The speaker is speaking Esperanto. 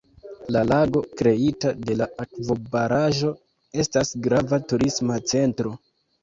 La lago kreita de la akvobaraĵo estas grava turisma centro.